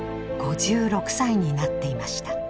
５６歳になっていました。